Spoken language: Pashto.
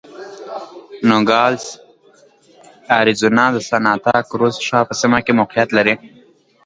نوګالس اریزونا د سانتا کروز ښار په سیمه کې موقعیت لري.